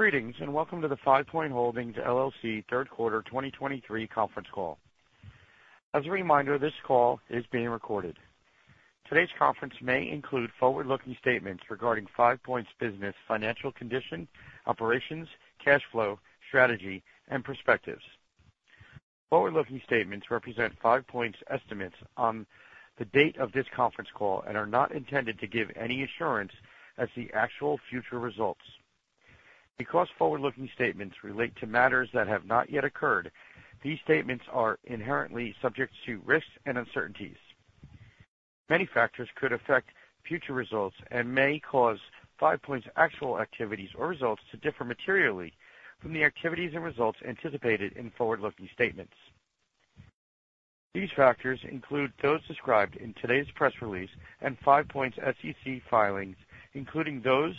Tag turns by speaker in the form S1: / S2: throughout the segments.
S1: Greetings, and welcome to the FivePoint Holdings, LLC Third Quarter 2023 conference call. As a reminder, this call is being recorded. Today's conference may include forward-looking statements regarding FivePoint's business, financial condition, operations, cash flow, strategy, and perspectives. Forward-looking statements represent FivePoint's estimates on the date of this conference call and are not intended to give any assurance as to the actual future results. Because forward-looking statements relate to matters that have not yet occurred, these statements are inherently subject to risks and uncertainties. Many factors could affect future results and may cause FivePoint's actual activities or results to differ materially from the activities and results anticipated in forward-looking statements. These factors include those described in today's press release and FivePoint's SEC filings, including those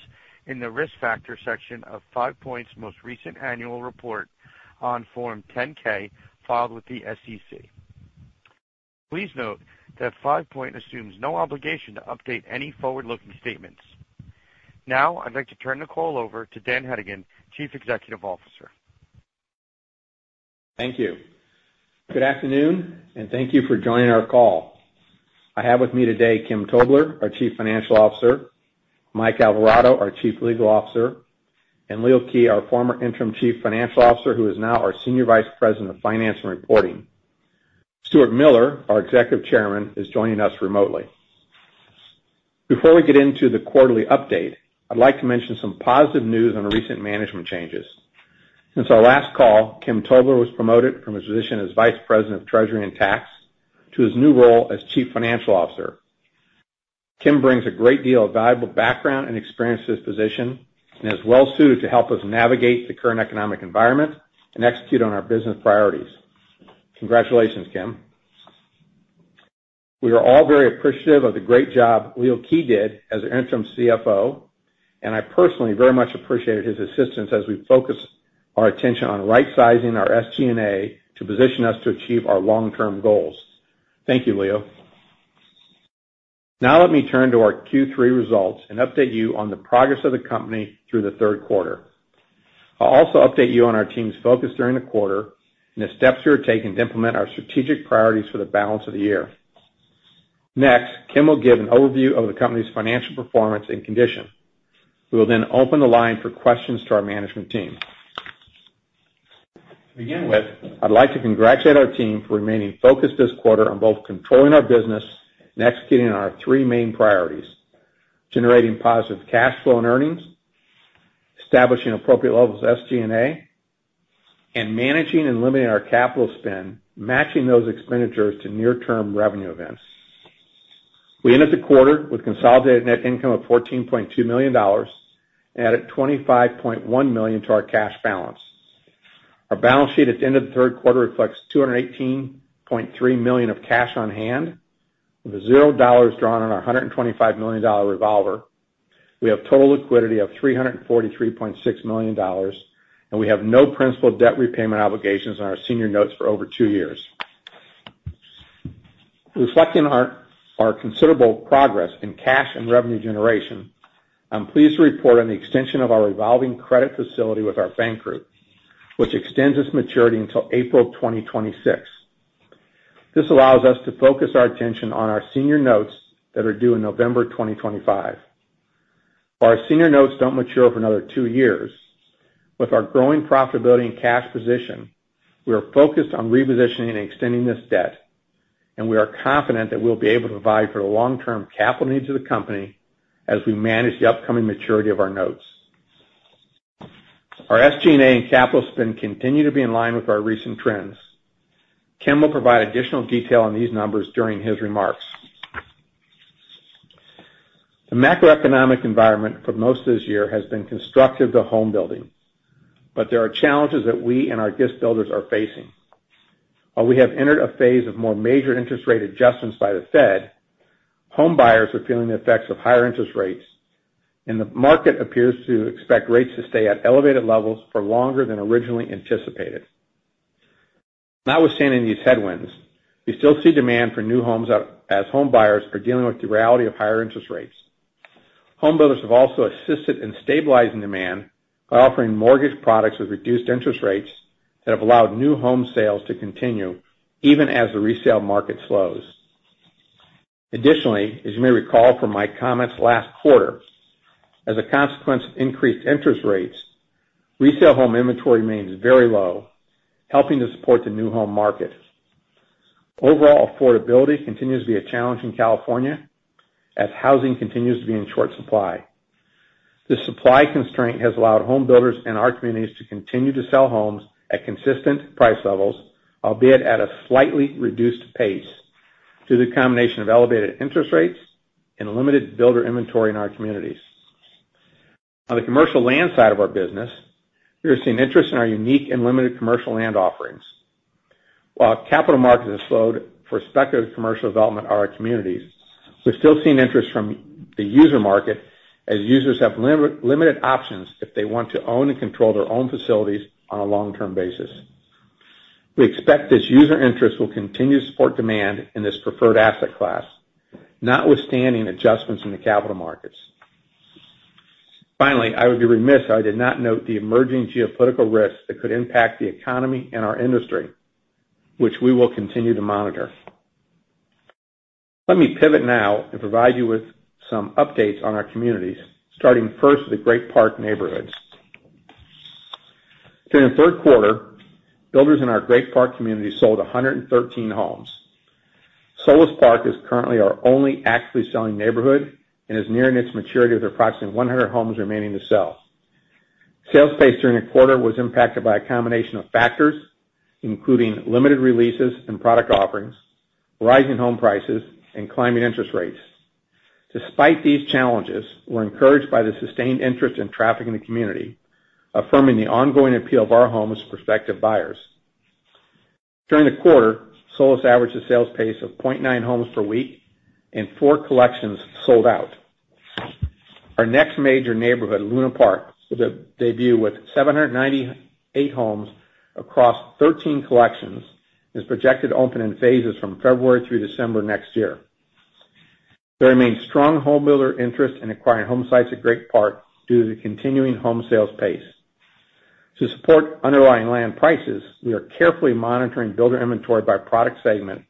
S1: in the Risk Factors section of FivePoint's most recent annual report on Form 10-K, filed with the SEC. Please note that Five Point assumes no obligation to update any forward-looking statements. Now, I'd like to turn the call over to Dan Hedigan, Chief Executive Officer.
S2: Thank you. Good afternoon, and thank you for joining our call. I have with me today Kim Tobler, our Chief Financial Officer, Mike Alvarado, our Chief Legal Officer, and Leo Kij, our former Interim Chief Financial Officer, who is now our Senior Vice President of Finance and Reporting. Stuart Miller, our Executive Chairman, is joining us remotely. Before we get into the quarterly update, I'd like to mention some positive news on the recent management changes. Since our last call, Kim Tobler was promoted from his position as Vice President of Treasury and Tax to his new role as Chief Financial Officer. Kim brings a great deal of valuable background and experience to this position and is well-suited to help us navigate the current economic environment and execute on our business priorities. Congratulations, Kim. We are all very appreciative of the great job Leo Kij did as our Interim CFO, and I personally very much appreciated his assistance as we focused our attention on right-sizing our SG&A to position us to achieve our long-term goals. Thank you, Leo. Now let me turn to our Q3 results and update you on the progress of the company through the third quarter. I'll also update you on our team's focus during the quarter and the steps we are taking to implement our strategic priorities for the balance of the year. Next, Kim will give an overview of the company's financial performance and condition. We will then open the line for questions to our management team. To begin with, I'd like to congratulate our team for remaining focused this quarter on both controlling our business and executing on our three main priorities: generating positive cash flow and earnings, establishing appropriate levels of SG&A, and managing and limiting our capital spend, matching those expenditures to near-term revenue events. We ended the quarter with consolidated net income of $14.2 million and added $25.1 million to our cash balance. Our balance sheet at the end of the third quarter reflects $218.3 million of cash on hand, with $0 drawn on our $125 million revolver. We have total liquidity of $343.6 million, and we have no principal debt repayment obligations on our senior notes for over two years. Reflecting our considerable progress in cash and revenue generation, I'm pleased to report on the extension of our revolving credit facility with our bank group, which extends its maturity until April 2026. This allows us to focus our attention on our senior notes that are due in November 2025. While our senior notes don't mature for another two years, with our growing profitability and cash position, we are focused on repositioning and extending this debt, and we are confident that we'll be able to provide for the long-term capital needs of the company as we manage the upcoming maturity of our notes. Our SG&A and capital spend continue to be in line with our recent trends. Kim will provide additional detail on these numbers during his remarks. The macroeconomic environment for most of this year has been constructive to home building, but there are challenges that we and our builder partners are facing. While we have entered a phase of more major interest rate adjustments by the Fed, homebuyers are feeling the effects of higher interest rates, and the market appears to expect rates to stay at elevated levels for longer than originally anticipated. Notwithstanding these headwinds, we still see demand for new homes up as homebuyers are dealing with the reality of higher interest rates. Homebuilders have also assisted in stabilizing demand by offering mortgage products with reduced interest rates that have allowed new home sales to continue even as the resale market slows. Additionally, as you may recall from my comments last quarter, as a consequence of increased interest rates, resale home inventory remains very low, helping to support the new home market. Overall affordability continues to be a challenge in California as housing continues to be in short supply. This supply constraint has allowed homebuilders in our communities to continue to sell homes at consistent price levels, albeit at a slightly reduced pace, due to the combination of elevated interest rates and limited builder inventory in our communities. On the commercial land side of our business, we are seeing interest in our unique and limited commercial land offerings. While capital markets have slowed for speculative commercial development in our communities, we're still seeing interest from the user market, as users have limited options if they want to own and control their own facilities on a long-term basis.... We expect this user interest will continue to support demand in this preferred asset class, notwithstanding adjustments in the capital markets. Finally, I would be remiss if I did not note the emerging geopolitical risks that could impact the economy and our industry, which we will continue to monitor. Let me pivot now and provide you with some updates on our communities, starting first with the Great Park Neighborhoods. During the third quarter, builders in our Great Park community sold 113 homes. Solis Park is currently our only actively selling neighborhood and is nearing its maturity with approximately 100 homes remaining to sell. Sales pace during the quarter was impacted by a combination of factors, including limited releases and product offerings, rising home prices, and climbing interest rates. Despite these challenges, we're encouraged by the sustained interest in traffic in the community, affirming the ongoing appeal of our homes to prospective buyers. During the quarter, Solis averaged a sales pace of 0.9 homes per week, and four collections sold out. Our next major neighborhood, Luna Park, will debut with 798 homes across 13 collections, and is projected to open in phases from February through December 2024. There remains strong homebuilder interest in acquiring home sites at Great Park due to the continuing home sales pace. To support underlying land prices, we are carefully monitoring builder inventory by product segment,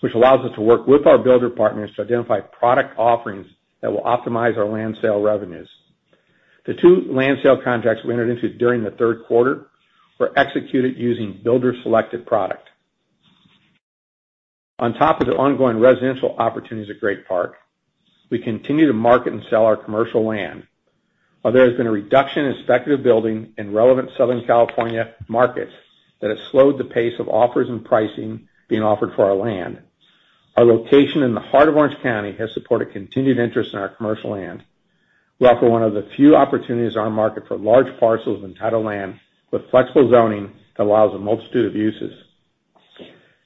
S2: which allows us to work with our builder partners to identify product offerings that will optimize our land sale revenues. The two land sale contracts we entered into during the third quarter were executed using builder-selected product. On top of the ongoing residential opportunities at Great Park, we continue to market and sell our commercial land. While there has been a reduction in speculative building in relevant Southern California markets that has slowed the pace of offers and pricing being offered for our land, our location in the heart of Orange County has supported continued interest in our commercial land. We offer 1 of the few opportunities on our market for large parcels and entitled land with flexible zoning that allows a multitude of uses.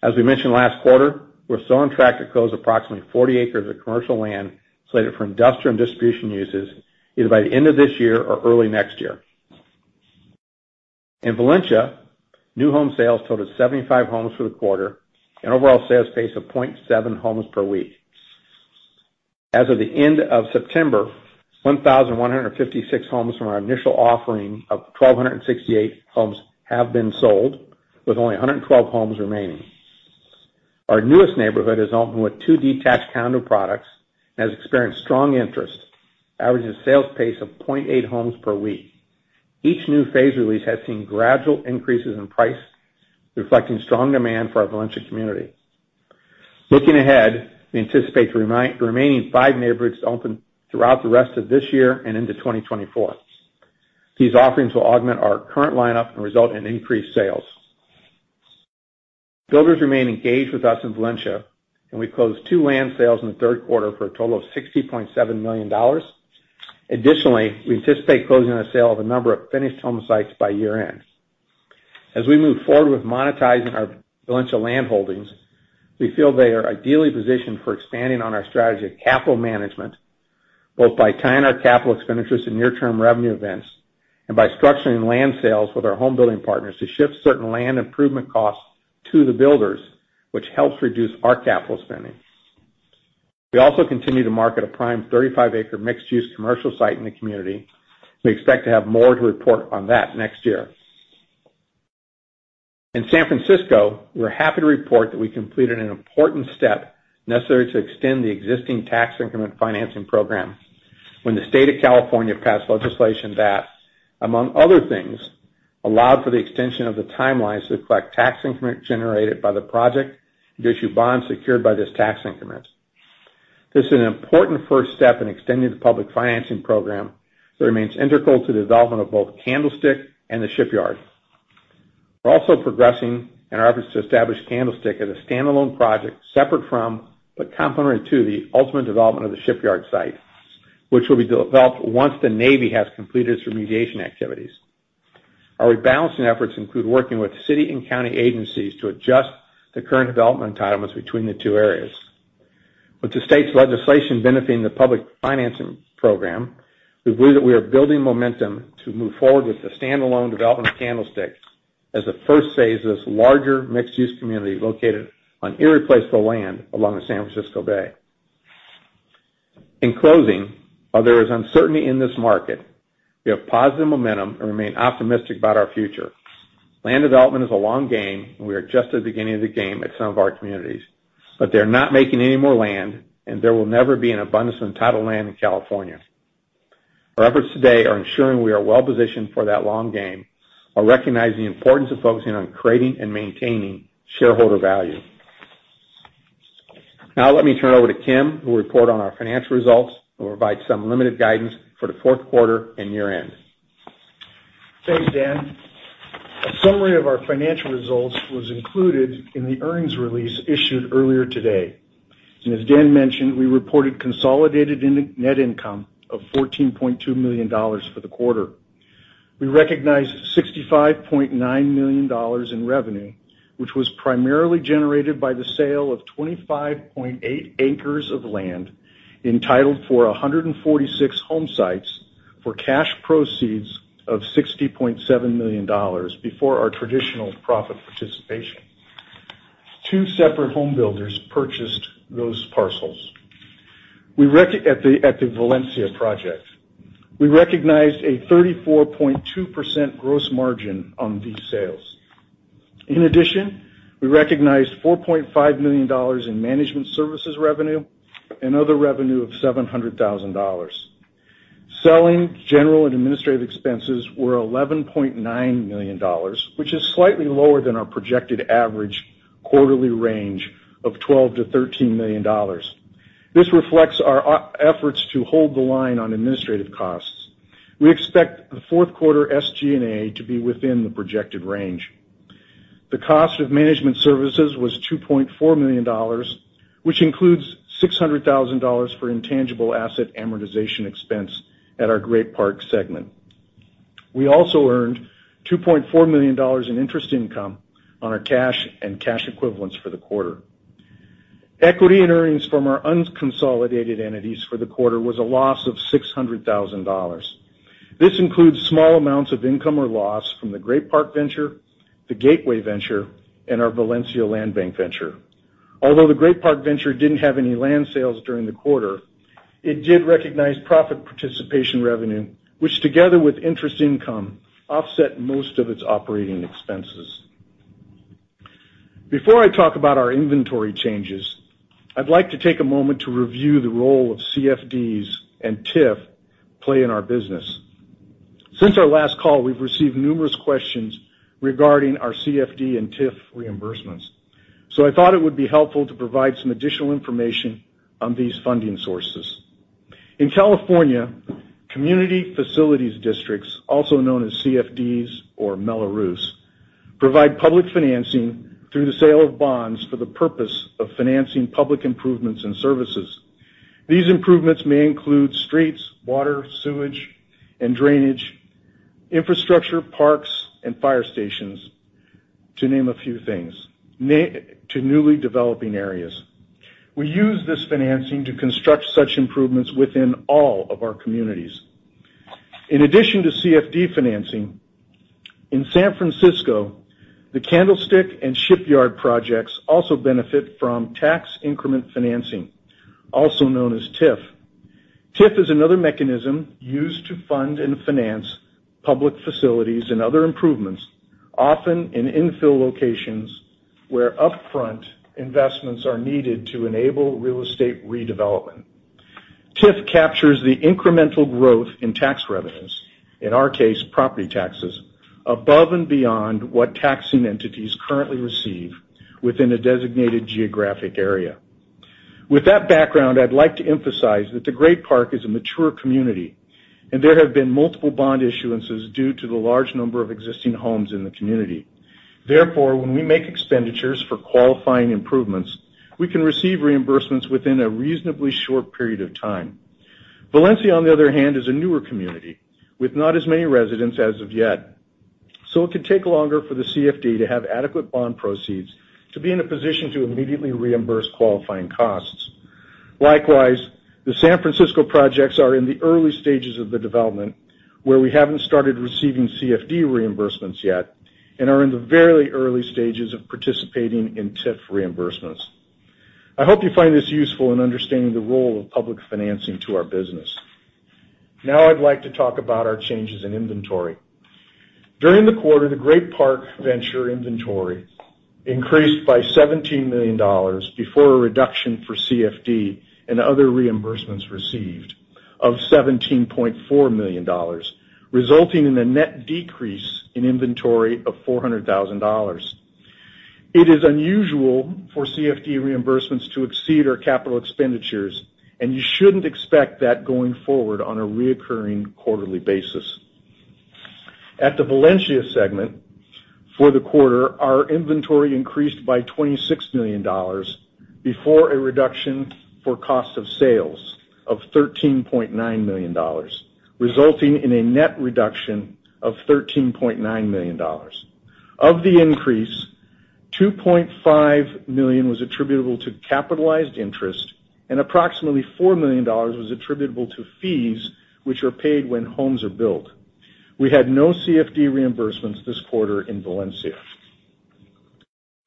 S2: As we menti1d last quarter, we're still on track to close approximately 40 acres of commercial land slated for industrial and distribution uses, either by the end of this year or early next year. In Valencia, new home sales totaled 75 homes for the quarter and overall sales pace of 0.7 homes per week. As of the end of September, 1,156 homes from our initial offering of 1,268 homes have been sold, with only 112 homes remaining. Our newest neighborhood has opened with two detached condo products and has experienced strong interest, averaging a sales pace of 0.8 homes per week. Each new phase release has seen gradual increases in price, reflecting strong demand for our Valencia community. Looking ahead, we anticipate the remaining five neighborhoods to open throughout the rest of this year and into 2024. These offerings will augment our current lineup and result in increased sales. Builders remain engaged with us in Valencia, and we closed two land sales in the third quarter for a total of $60.7 million. Additionally, we anticipate closing on a sale of a number of finished home sites by year-end. As we move forward with m1tizing our Valencia land holdings, we feel they are ideally positi1d for expanding on our strategy of capital management, both by tying our capital expenditures to near-term revenue events and by structuring land sales with our home building partners to shift certain land improvement costs to the builders, which helps reduce our capital spending. We also continue to market a prime 35-acre mixed-use commercial site in the community. We expect to have more to report on that next year. In San Francisco, we're happy to report that we completed an important step necessary to extend the existing tax increment financing program when the state of California passed legislation that, among other things, allowed for the extension of the timelines to collect tax increment generated by the project and issue bonds secured by this tax increment. This is an important first step in extending the public financing program that remains integral to the development of both Candlestick and the Shipyard. We're also progressing in our efforts to establish Candlestick as a standal1 project, separate from, but complementary to, the ultimate development of the Shipyard site, which will be developed once the Navy has completed its remediation activities. Our rebalancing efforts include working with city and county agencies to adjust the current development entitlements between the two areas. With the state's legislation benefiting the public financing program, we believe that we are building momentum to move forward with the standal1 development of Candlestick as the first phase of this larger mixed-use community located on irreplaceable land along the San Francisco Bay. In closing, while there is uncertainty in this market, we have positive momentum and remain optimistic about our future. Land development is a long game, and we are just at the beginning of the game at some of our communities. But they're not making any more land, and there will never be an abundance of untitled land in California. Our efforts today are ensuring we are well positi1d for that long game, while recognizing the importance of focusing on creating and maintaining shareholder value. Now, let me turn it over to Kim, who will report on our financial results and provide some limited guidance for the fourth quarter and year-end.
S3: Thanks, Dan. A summary of our financial results was included in the earnings release issued earlier today. As Dan menti1d, we reported consolidated net income of $14.2 million for the quarter. We recognized $65.9 million in revenue, which was primarily generated by the sale of 25.8 acres of land, entitled for 146 home sites for cash proceeds of $60.7 million before our traditional profit participation. Two separate home builders purchased those parcels. At the Valencia project, we recognized a 34.2% gross margin on these sales. In addition, we recognized $4.5 million in management services revenue and other revenue of $700,000. Selling, general, and administrative expenses were $11.9 million, which is slightly lower than our projected average quarterly range of $12 million-$13 million. This reflects our efforts to hold the line on administrative costs. We expect the fourth quarter SG&A to be within the projected range. The cost of management services was $2.4 million, which includes $600,000 for intangible asset amortization expense at our Great Park segment. We also earned $2.4 million in interest income on our cash and cash equivalents for the quarter. Equity and earnings from our unconsolidated entities for the quarter was a loss of $600,000. This includes small amounts of income or loss from the Great Park venture, the Gateway venture, and our Valencia Land Bank venture. Although the Great Park Venture didn't have any land sales during the quarter, it did recognize profit participation revenue, which, together with interest income, offset most of its operating expenses. Before I talk about our inventory changes, I'd like to take a moment to review the role of CFDs and TIF play in our business. Since our last call, we've received numerous questions regarding our CFD and TIF reimbursements, so I thought it would be helpful to provide some additional information on these funding sources. In California, Community Facilities Districts, also known as CFDs or Mello-Roos, provide public financing through the sale of bonds for the purpose of financing public improvements and services. These improvements may include streets, water, sewage and drainage, infrastructure, parks, and fire stations, to name a few things, to newly developing areas. We use this financing to construct such improvements within all of our communities. In addition to CFD financing, in San Francisco, the Candlestick and Shipyard projects also benefit from tax increment financing, also known as TIF. TIF is another mechanism used to fund and finance public facilities and other improvements, often in infill locations, where upfront investments are needed to enable real estate redevelopment. TIF captures the incremental growth in tax revenues, in our case, property taxes, above and beyond what taxing entities currently receive within a designated geographic area. With that background, I'd like to emphasize that the Great Park is a mature community, and there have been multiple bond issuances due to the large number of existing homes in the community. Therefore, when we make expenditures for qualifying improvements, we can receive reimbursements within a reasonably short period of time. Valencia, on the other hand, is a newer community with not as many residents as of yet, so it could take longer for the CFD to have adequate bond proceeds to be in a position to immediately reimburse qualifying costs. Likewise, the San Francisco projects are in the early stages of the development, where we haven't started receiving CFD reimbursements yet and are in the very early stages of participating in TIF reimbursements. I hope you find this useful in understanding the role of public financing to our business. Now I'd like to talk about our changes in inventory. During the quarter, the Great Park Venture inventory increased by $17 million before a reduction for CFD and other reimbursements received of $17.4 million, resulting in a net decrease in inventory of $400,000. It is unusual for CFD reimbursements to exceed our capital expenditures, and you shouldn't expect that going forward on a recurring quarterly basis. At the Valencia segment, for the quarter, our inventory increased by $26 million before a reduction for cost of sales of $13.9 million, resulting in a net reduction of $13.9 million. Of the increase, $2.5 million was attributable to capitalized interest, and approximately $4 million was attributable to fees, which are paid when homes are built. We had no CFD reimbursements this quarter in Valencia.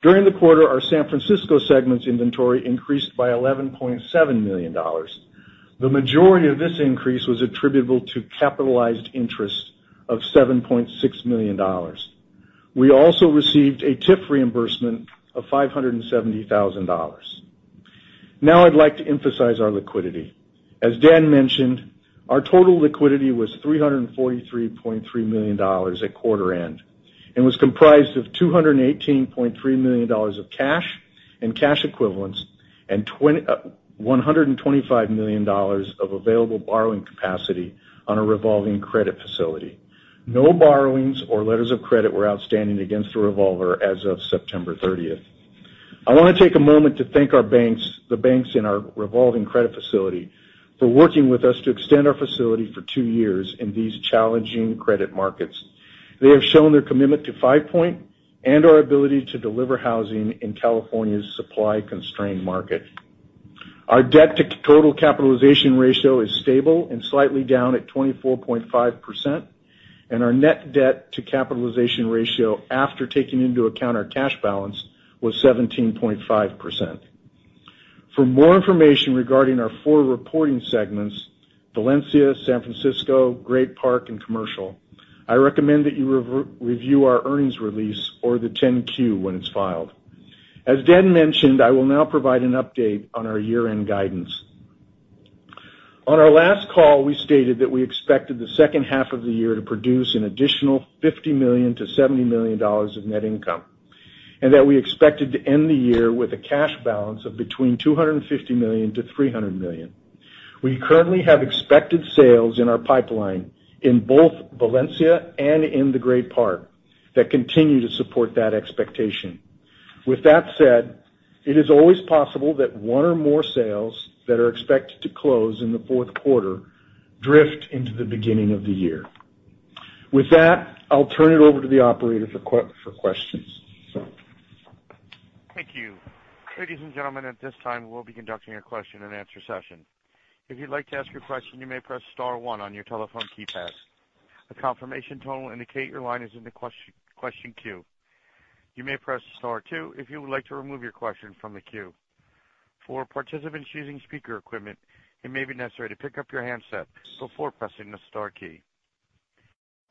S3: During the quarter, our San Francisco segment's inventory increased by $11.7 million. The majority of this increase was attributable to capitalized interest of $7.6 million. We also received a TIF reimbursement of $570,000. Now I'd like to emphasize our liquidity. As Dan menti1d, our total liquidity was $343.3 million at quarter end and was comprised of $218.3 million of cash and cash equivalents, and $125 million of available borrowing capacity on a revolving credit facility. No borrowings or letters of credit were outstanding against the revolver as of September thirtieth. I want to take a moment to thank our banks, the banks in our revolving credit facility, for working with us to extend our facility for two years in these challenging credit markets. They have shown their commitment to Five Point and our ability to deliver housing in California's supply-constrained market. Our debt to total capitalization ratio is stable and slightly down at 24.5%, and our net debt to capitalization ratio, after taking into account our cash balance, was 17.5%. For more information regarding our four reporting segments, Valencia, San Francisco, Great Park, and Commercial, I recommend that you review our earnings release or the 10-Q when it's filed. As Dan menti1d, I will now provide an update on our year-end guidance. On our last call, we stated that we expected the second half of the year to produce an additional $50 million-$70 million of net income, and that we expected to end the year with a cash balance of between $250 million-$300 million. We currently have expected sales in our pipeline in both Valencia and in the Great Park that continue to support that expectation. With that said, it is always possible that 1 or more sales that are expected to close in the fourth quarter drift into the beginning of the year. With that, I'll turn it over to the operator for questions.
S1: Thank you. Ladies and gentlemen, at this time, we'll be conducting a question and answer session. If you'd like to ask a question, you may press star 1 on your teleph1 keypad. A confirmation t1 will indicate your line is in the question queue. You may press star two if you would like to remove your question from the queue. For participants using speaker equipment, it may be necessary to pick up your handset before pressing the star key.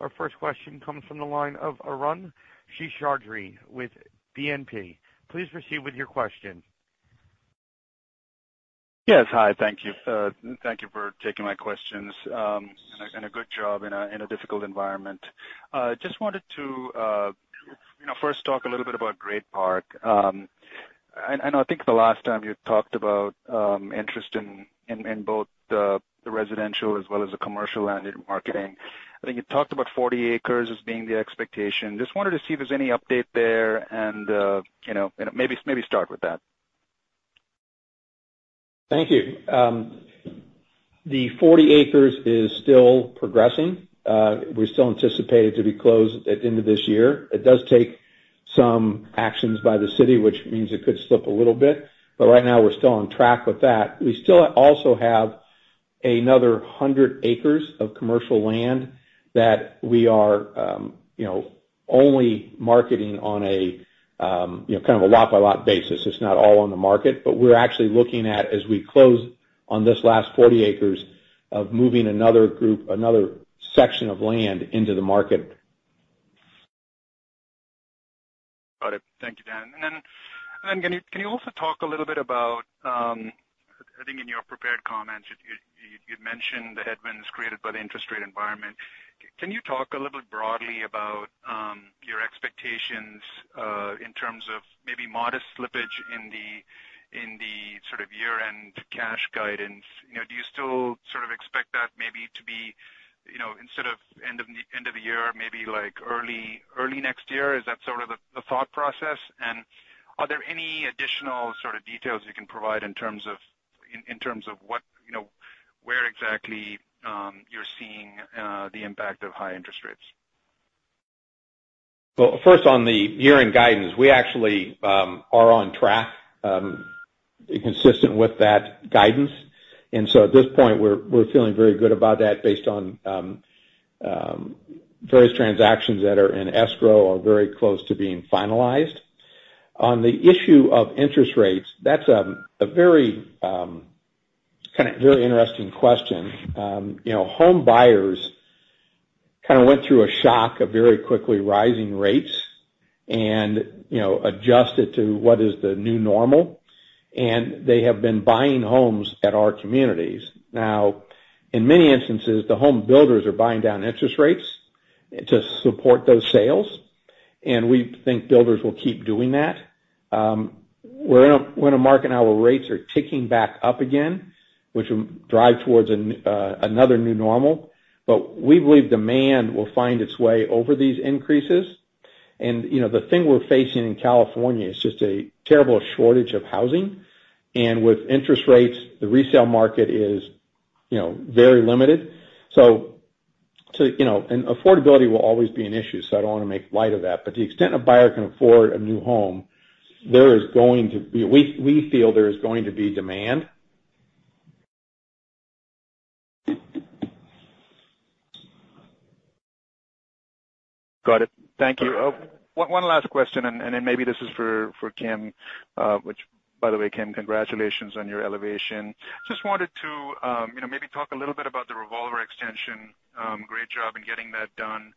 S1: Our first question comes from the line of Arun Seshadri with BNP. Please proceed with your question.
S4: Yes. Hi, thank you. Thank you for taking my questions, and a good job in a difficult environment. Just wanted to, you know, first talk a little bit about Great Park. I know, I think the last time you talked about interest in both the residential as well as the commercial land marketing. I think you talked about 40 acres as being the expectation. Just wanted to see if there's any update there and, you know, maybe start with that.
S2: Thank you. The 40 acres is still progressing. We still anticipate it to be closed at the end of this year. It does take some actions by the city, which means it could slip a little bit, but right now we're still on track with that. We still also have another 100 acres of commercial land that we are, you know, only marketing on a, you know, kind of a lot by lot basis. It's not all on the market, but we're actually looking at, as we close on this last 40 acres, of moving another group- another section of land into the market.
S4: Got it. Thank you, Dan. And then, can you also talk a little bit about... I think in your prepared comments, you'd menti1d the headwinds created by the interest rate environment. Can you talk a little bit broadly about your expectations in terms of maybe modest slippage in the sort of year-end cash guidance? You know, do you still sort of expect that maybe to be, you know, instead of end of the year, maybe like early next year? Is that sort of the thought process, and are there any additional sort of details you can provide in terms of what, you know, where exactly you're seeing the impact of high interest rates?
S2: Well, first, on the year-end guidance, we actually are on track consistent with that guidance. And so at this point, we're feeling very good about that based on various transactions that are in escrow or very close to being finalized. On the issue of interest rates, that's a very kind of very interesting question. You know, home buyers kind of went through a shock of very quickly rising rates and, you know, adjusted to what is the new normal, and they have been buying homes at our communities. Now, in many instances, the home builders are buying down interest rates to support those sales, and we think builders will keep doing that. We're in a market now where rates are ticking back up again, which will drive towards another new normal. We believe demand will find its way over these increases. And, you know, the thing we're facing in California is just a terrible shortage of housing, and with interest rates, the resale market is, you know, very limited. So to, you know... And affordability will always be an issue, so I don't want to make light of that, but to the extent a buyer can afford a new home, there is going to be- we, we feel there is going to be demand.
S4: Got it. Thank One last question, and then maybe this is for Kim, which by the way, Kim, congratulations on your elevation. Just wanted to, you know, maybe talk a little bit about the revolver extension. Great job in getting that d1.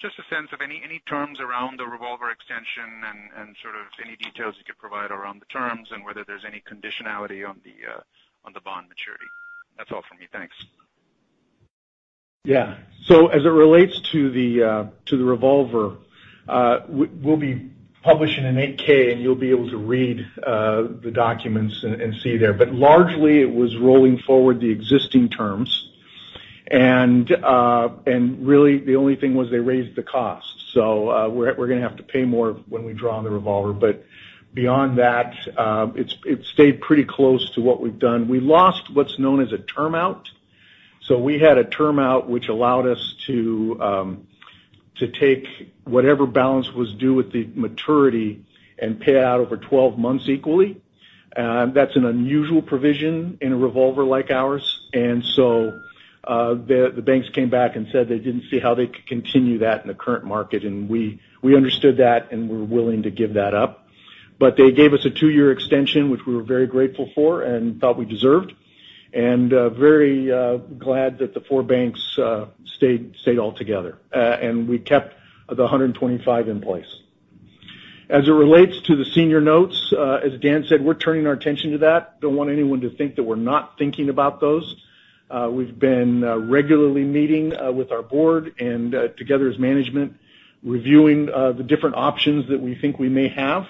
S4: Just a sense of any terms around the revolver extension and sort of any details you could provide around the terms and whether there's any conditionality on the bond maturity. That's all for me. Thanks.
S3: Yeah. So as it relates to the revolver, we'll be publishing an 8-K, and you'll be able to read the documents and see there. But largely, it was rolling forward the existing terms, and really, the only thing was they raised the cost. So, we're gonna have to pay more when we draw on the revolver, but beyond that, it's stayed pretty close to what we've d1. We lost what's known as a term out....
S2: So we had a term out which allowed us to take whatever balance was due with the maturity and pay out over 12 months equally. And that's an unusual provision in a revolver like ours. And so the banks came back and said they didn't see how they could continue that in the current market, and we understood that, and we're willing to give that up. But they gave us a 2-year extension, which we were very grateful for and thought we deserved, and very glad that the 4 banks stayed all together. And we kept the $125 in place. As it relates to the senior notes, as Dan said, we're turning our attention to that. Don't want any1 to think that we're not thinking about those. We've been regularly meeting with our board and together as management, reviewing the different options that we think we may have.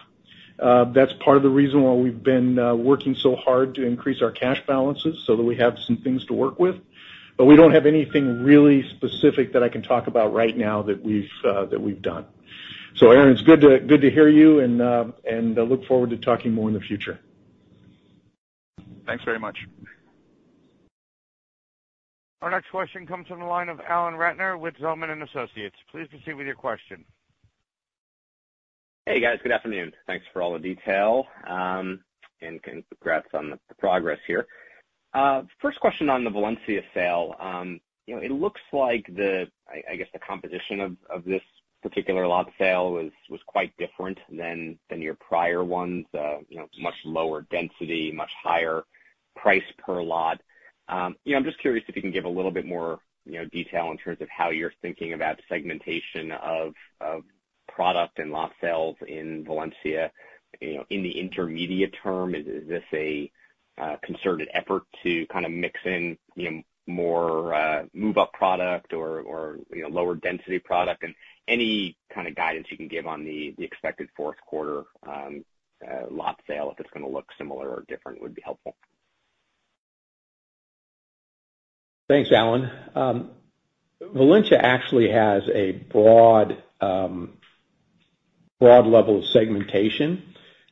S2: That's part of the reason why we've been working so hard to increase our cash balances so that we have some things to work with. But we don't have anything really specific that I can talk about right now that we've that we've d1. So Arun, it's good to good to hear you and and I look forward to talking more in the future.
S5: Thanks very much.
S1: Our next question comes from the line of Alan Ratner with Zelman & Associates. Please proceed with your question.
S6: Hey, guys. Good afternoon. Thanks for all the detail. And congrats on the progress here. First question on the Valencia sale. You know, it looks like the... I guess, the composition of this particular lot sale was quite different than your prior 1s. You know, much lower density, much higher price per lot. You know, I'm just curious if you can give a little bit more detail in terms of how you're thinking about segmentation of product and lot sales in Valencia, you know, in the intermediate term. Is this a concerted effort to kind of mix in more move-up product or lower density product? Any kind of guidance you can give on the expected fourth quarter lot sale, if it's gonna look similar or different, would be helpful.
S2: Thanks, Alan. Valencia actually has a broad, broad level of segmentation,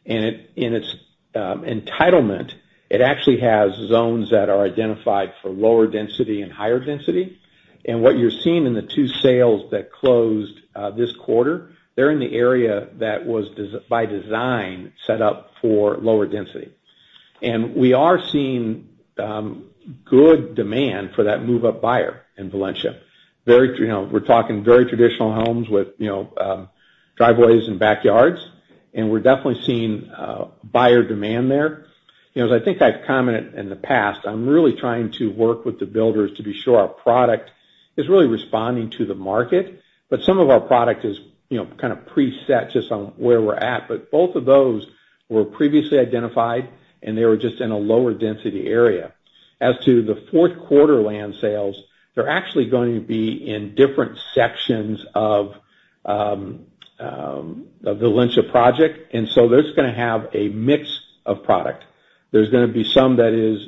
S2: and in its entitlement, it actually has z1s that are identified for lower density and higher density. And what you're seeing in the two sales that closed this quarter, they're in the area that was by design set up for lower density. And we are seeing good demand for that move-up buyer in Valencia. Very, you know, we're talking very traditional homes with, you know, driveways and backyards, and we're definitely seeing buyer demand there. You know, as I think I've commented in the past, I'm really trying to work with the builders to be sure our product is really responding to the market, but some of our product is, you know, kind of preset just on where we're at. Both of those were previously identified, and they were just in a lower density area. As to the fourth quarter land sales, they're actually going to be in different sections of the Valencia project, and so there's gonna have a mix of product. There's gonna be some that is,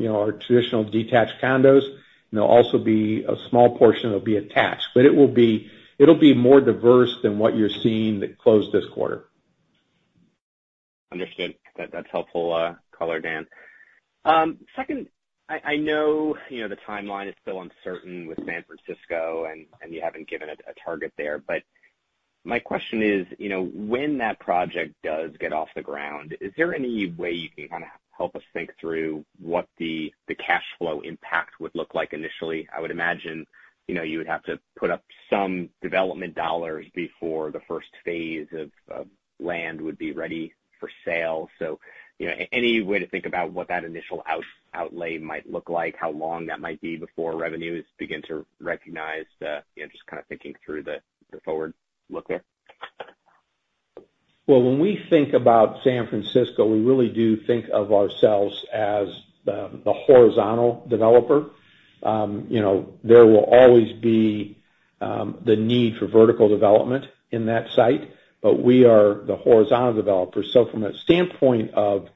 S2: you know, our traditional detached condos, and there'll also be a small portion that will be attached, but it will be... It'll be more diverse than what you're seeing that closed this quarter.
S6: Understood. That, that's helpful, color, Dan. Second, I know, you know, the timeline is still uncertain with San Francisco, and you haven't given a target there, but my question is, you know, when that project does get off the ground, is there any way you can kind of help us think through what the cash flow impact would look like initially? I would imagine, you know, you would have to put up some development dollars before the first phase of land would be ready for sale. So, you know, any way to think about what that initial outlay might look like, how long that might be before revenues begin to recognize the... You know, just kind of thinking through the forward look there.
S2: Well, when we think about San Francisco, we really do think of ourselves as the horizontal developer. You know, there will always be the need for vertical development in that site, but we are the horizontal developer. So from a standpoint of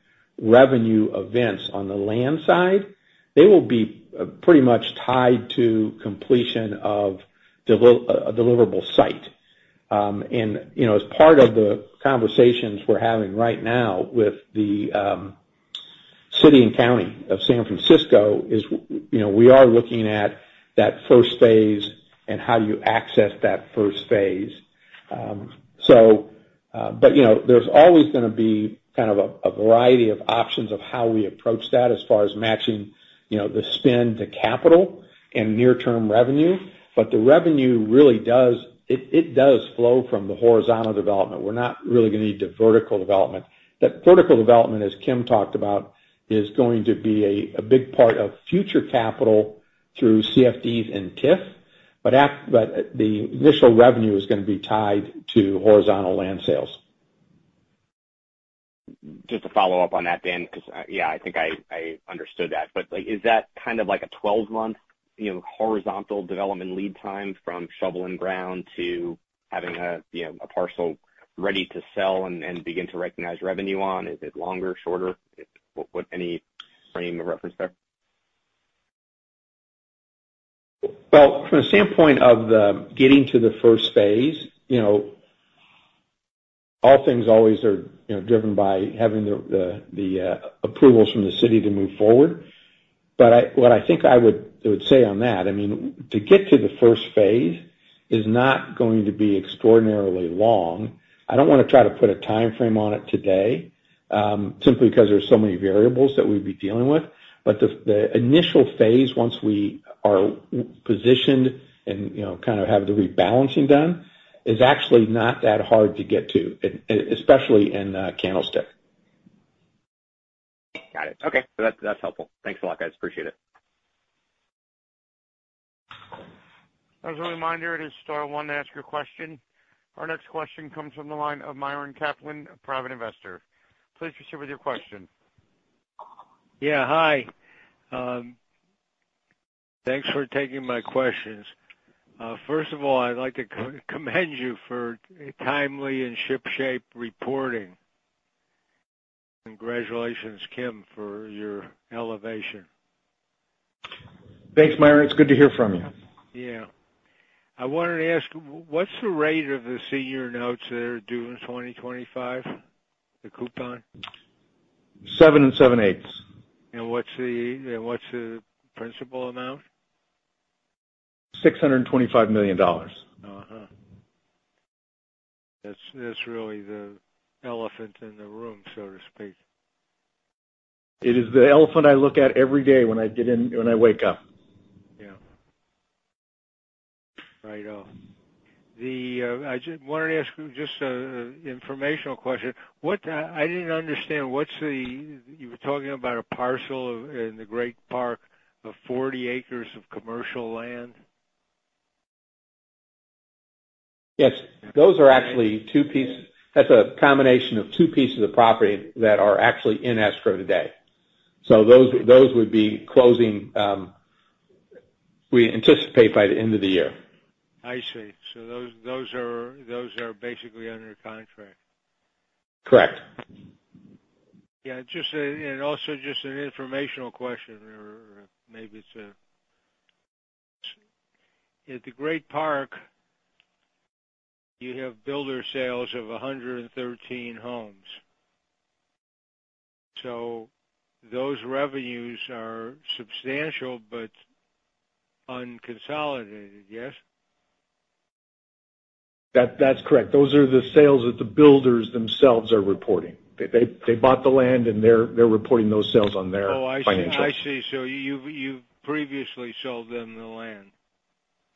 S2: revenue events on the land side, they will be pretty much tied to completion of a deliverable site. And, you know, as part of the conversations we're having right now with the city and county of San Francisco, we are looking at that first phase and how do you access that first phase. So... But, you know, there's always gonna be kind of a variety of options of how we approach that as far as matching, you know, the spend to capital and near-term revenue, but the revenue really does, it does flow from the horizontal development. We're not really gonna need the vertical development. That vertical development, as Kim talked about, is going to be a big part of future capital through CFDs and TIF, but the initial revenue is gonna be tied to horizontal land sales.
S6: Just to follow up on that, Dan, because yeah, I think I understood that. But, like, is that kind of like a 12-month, you know, horizontal development lead time from shoveling ground to having a, you know, a parcel ready to sell and begin to recognize revenue on? Is it longer, shorter? What, any frame of reference there?
S2: Well, from the standpoint of the getting to the first phase, you know... All things always are, you know, driven by having the approvals from the city to move forward. But what I think I would say on that, I mean, to get to the first phase is not going to be extraordinarily long. I don't want to try to put a timeframe on it today, simply because there's so many variables that we'd be dealing with. But the initial phase, once we are positi1d and, you know, kind of have the rebalancing d1, is actually not that hard to get to, especially in Candlestick.
S6: Got it. Okay. So that, that's helpful. Thanks a lot, guys. Appreciate it.
S1: As a reminder, it is star 1 to ask your question. Our next question comes from the line of Myron Kaplan, a private investor. Please proceed with your question.
S7: Yeah, hi. Thanks for taking my questions. First of all, I'd like to commend you for timely and shipshape reporting. Congratulations, Kim, for your elevation.
S2: Thanks, Myron. It's good to hear from you.
S7: Yeah. I wanted to ask, what's the rate of the Senior Notes that are due in 2025, the coupon?
S2: 7 7/8.
S7: What's the principal amount?
S2: $625 million.
S7: Uh-huh. That's, that's really the elephant in the room, so to speak.
S2: It is the elephant I look at every day when I get in, when I wake up.
S7: Yeah. Right on. I just wanted to ask just an informational question. What... I didn't understand, what's the – you were talking about a parcel in the Great Park of 40 acres of commercial land?
S2: Yes. Those are actually two pieces. That's a combination of two pieces of property that are actually in escrow today. So those, those would be closing, we anticipate by the end of the year.
S7: I see. So those are basically under contract?
S2: Correct.
S7: Yeah, and also just an informational question, or maybe it's a... At the Great Park, you have builder sales of 113 homes, so those revenues are substantial but unconsolidated, yes?
S2: That's correct. Those are the sales that the builders themselves are reporting. They bought the land, and they're reporting those sales on their-
S7: Oh, I see.
S2: -financials.
S7: I see. So you previously sold them the land?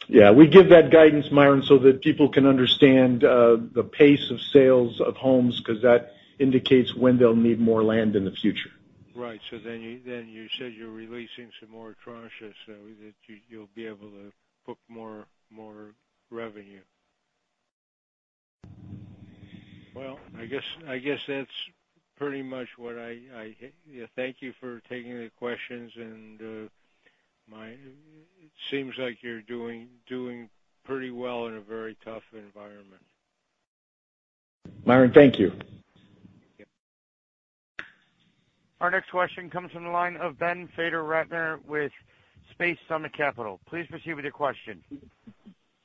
S2: Yeah, we give that guidance, Myron, so that people can understand the pace of sales of homes, because that indicates when they'll need more land in the future.
S7: Right. So then you said you're releasing some more tranches, so that you'll be able to book more revenue. Well, I guess that's pretty much what I... Thank you for taking the questions, and it seems like you're doing pretty well in a very tough environment.
S2: Myron, thank you.
S1: Our next question comes from the line of Ben Fader-Rattner with Space Summit Capital. Please proceed with your question.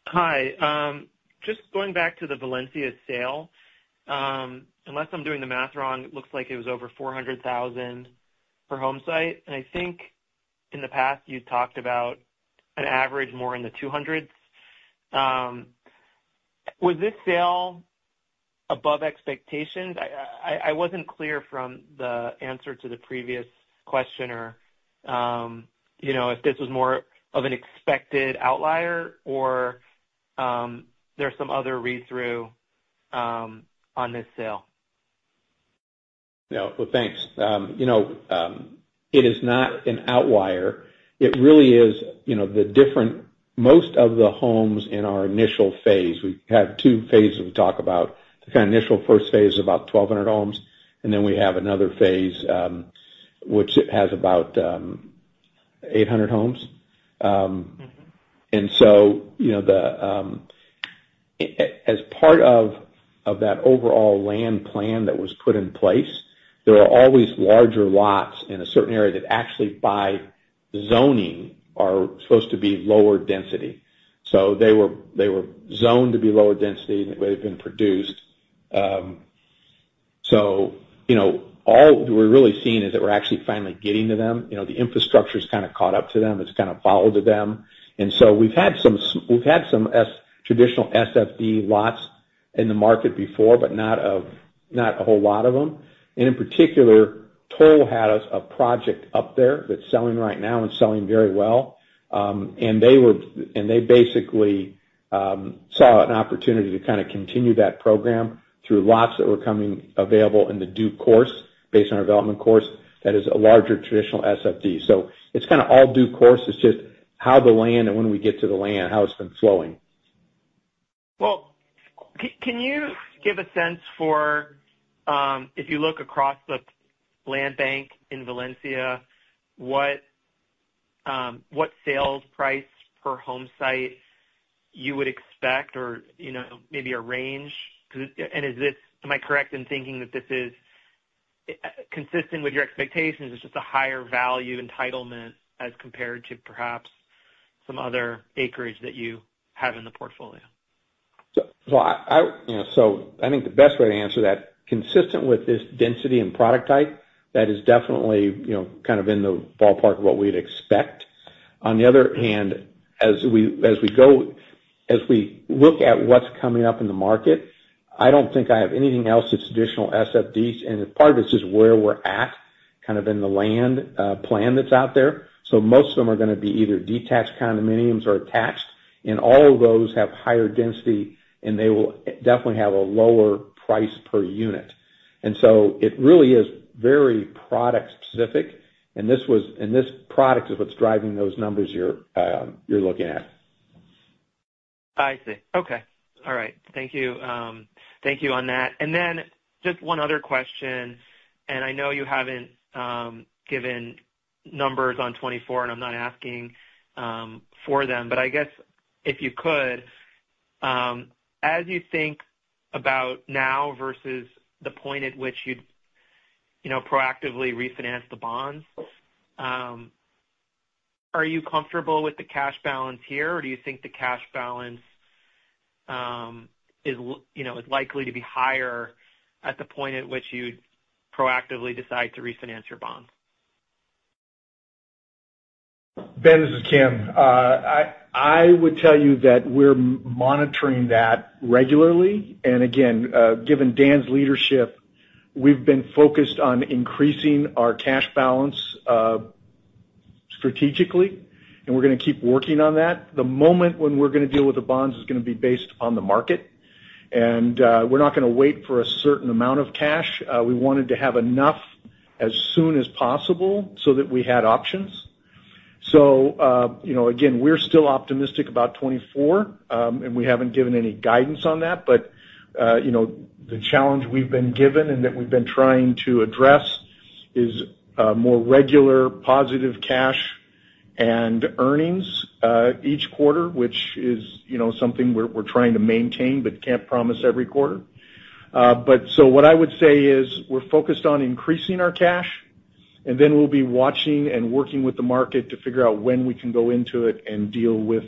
S8: Hi. Just going back to the Valencia sale, unless I'm doing the math wrong, it looks like it was over $400,000 per home site. And I think in the past, you've talked about an average more in the $200s. Was this sale above expectations? I wasn't clear from the answer to the previous questi1r, you know, if this was more of an expected outlier or, there's some other read-through, on this sale.
S2: Yeah. Well, thanks. You know, it is not an outlier. It really is, you know, the different. Most of the homes in our initial phase, we have two phases we talk about. The kind of initial first phase is about 1,200 homes, and then we have another phase, which it has about 800 homes.
S8: Mm-hmm.
S2: and so, you know, the as part of that overall land plan that was put in place, there are always larger lots in a certain area that actually, by zoning, are supposed to be lower density. So they were, they were z1d to be lower density than the way they've been produced. So, you know, all we're really seeing is that we're actually finally getting to them. You know, the infrastructure's kind of caught up to them. It's kind of followed to them. And so we've had some traditional SFD lots in the market before, but not a whole lot of them. And in particular, Toll had a project up there that's selling right now and selling very well. They basically saw an opportunity to kind of continue that program through lots that were coming available in due course, based on our development course, that is a larger traditional SFD. So it's kind of all due course. It's just how the land and when we get to the land, how it's been flowing.
S8: Well, can you give a sense for, if you look across the land bank in Valencia, what sales price per home site you would expect or, you know, maybe a range? Because... And is this- am I correct in thinking that this is consistent with your expectations, it's just a higher value entitlement as compared to perhaps... some other acreage that you have in the portfolio?
S2: So, well, I you know, so I think the best way to answer that, consistent with this density and product type, that is definitely, you know, kind of in the ballpark of what we'd expect. On the other hand, as we look at what's coming up in the market, I don't think I have anything else that's additional SFDs, and part of it's just where we're at, kind of in the land plan that's out there. So most of them are gonna be either detached condominiums or attached, and all of those have higher density, and they will definitely have a lower price per unit. And so it really is very product specific, and this product is what's driving those numbers you're looking at.
S8: I see. Okay. All right. Thank you. Thank you on that. And then just 1 other question, and I know you haven't given numbers on 2024, and I'm not asking for them, but I guess, if you could, as you think about now versus the point at which you'd, you know, proactively refinance the bonds, are you comfortable with the cash balance here, or do you think the cash balance, you know, is likely to be higher at the point at which you'd proactively decide to refinance your bonds?
S3: Ben, this is Tim. I would tell you that we're monitoring that regularly. And again, given Dan's leadership, we've been focused on increasing our cash balance, strategically, and we're gonna keep working on that. The moment when we're gonna deal with the bonds is gonna be based on the market, and we're not gonna wait for a certain amount of cash. We wanted to have enough as soon as possible so that we had options. So, you know, again, we're still optimistic about 2024, and we haven't given any guidance on that. But, you know, the challenge we've been given and that we've been trying to address is more regular positive cash and earnings each quarter, which is, you know, something we're trying to maintain, but can't promise every quarter. But so what I would say is, we're focused on increasing our cash, and then we'll be watching and working with the market to figure out when we can go into it and deal with,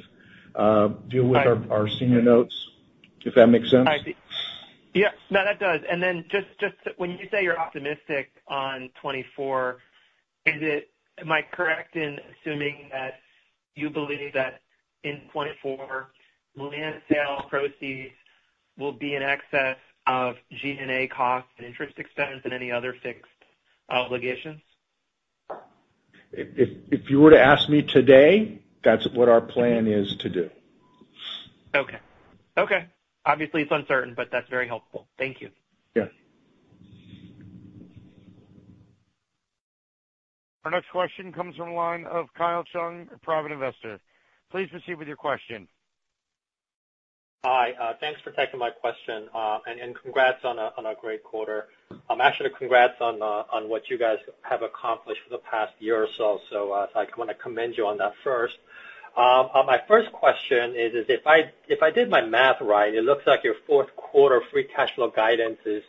S3: deal with our, our Senior Notes, if that makes sense.
S8: I see. Yeah. No, that does. And then just, just when you say you're optimistic on 2024, is it... Am I correct in assuming that you believe that in 2024, land sale proceeds will be in excess of G&A costs and interest expense and any other fixed obligations?
S3: If you were to ask me today, that's what our plan is to do.
S8: Okay. Okay. Obviously, it's uncertain, but that's very helpful. Thank you.
S3: Yeah.
S1: Our next question comes from the line of Kyle Chung, a private investor. Please proceed with your question.
S9: Hi, thanks for taking my question, and congrats on a great quarter. Actually, congrats on what you guys have accomplished for the past year or so. So, I want to commend you on that first. My first question is, if I did my math right, it looks like your fourth quarter free cash flow guidance is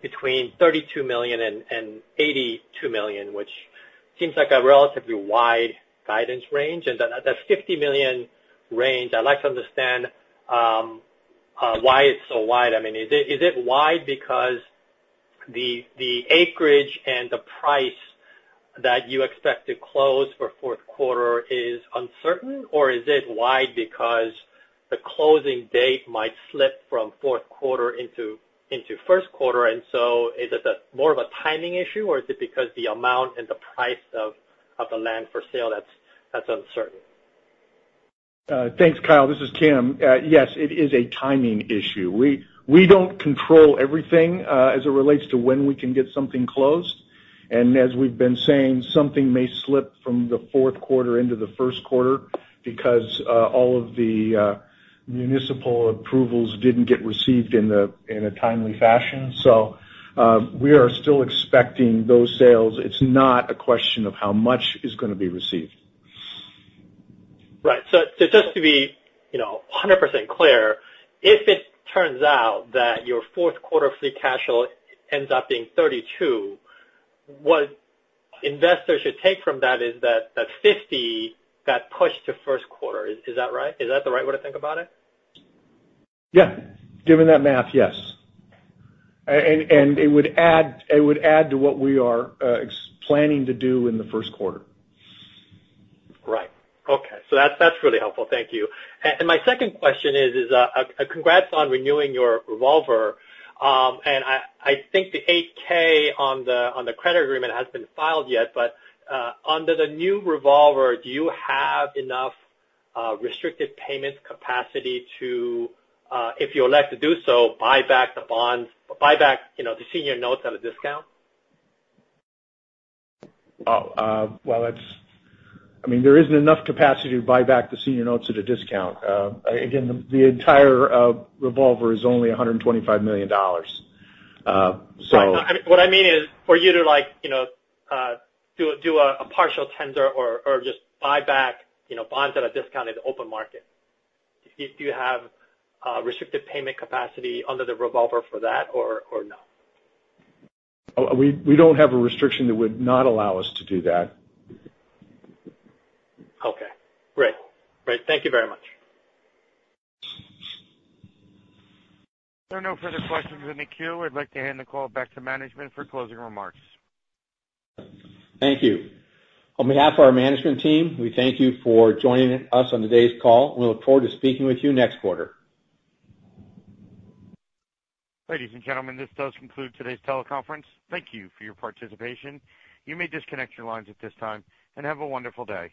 S9: between $32 million and $82 million, which seems like a relatively wide guidance range, and that $50 million range, I'd like to understand why it's so wide. I mean, is it wide because the acreage and the price that you expect to close for fourth quarter is uncertain? Or is it wide because the closing date might slip from fourth quarter into first quarter? And so is it more of a timing issue, or is it because the amount and the price of the land for sale that's uncertain?
S3: Thanks, Kyle. This is Tim. Yes, it is a timing issue. We, we don't control everything, as it relates to when we can get something closed. And as we've been saying, something may slip from the fourth quarter into the first quarter because all of the municipal approvals didn't get received in a timely fashion. So, we are still expecting those sales. It's not a question of how much is gonna be received.
S9: Right. So, so just to be, you know, 100% clear, if it turns out that your fourth quarter free cash flow ends up being $32, what investors should take from that is that, that $50, got pushed to first quarter. Is, is that right? Is that the right way to think about it?
S3: Yeah. Given that math, yes. And it would add to what we are planning to do in the first quarter.
S9: Right. Okay. So that's, that's really helpful. Thank you. And my second question is, congrats on renewing your revolver. And I think the 8-K on the credit agreement hasn't been filed yet, but under the new revolver, do you have enough restricted payments capacity to, if you elect to do so, buy back the bonds, buy back, you know, the Senior Notes at a discount?
S3: Well, well, that's... I mean, there isn't enough capacity to buy back the senior notes at a discount. Again, the entire revolver is only $125 million. So- Right. What I mean is, for you to like, you know, do a partial tender or just buy back, you know, bonds at a discounted open market. Do you have restricted payment capacity under the revolver for that or no? We don't have a restriction that would not allow us to do that. Okay. Great. Great, thank you very much.
S1: There are no further questions in the queue. I'd like to hand the call back to management for closing remarks.
S2: Thank you. On behalf of our management team, we thank you for joining us on today's call. We look forward to speaking with you next quarter.
S1: Ladies and gentlemen, this does conclude today's teleconference. Thank you for your participation. You may disconnect your lines at this time, and have a wonderful day.